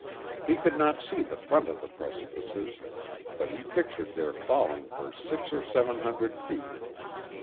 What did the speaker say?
He could not see the front of the precipices, but he pictured their falling for six or seven hundred feet.